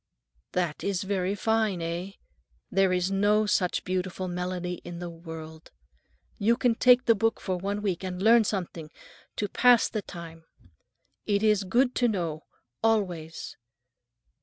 "That is very fine, eh? There is no such beautiful melody in the world. You can take the book for one week and learn something, to pass the time. It is good to know—always.